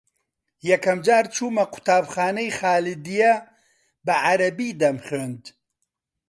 یەکەم جار چوومە قوتابخانەی خالیدیە بە عەرەبی دەمخوێند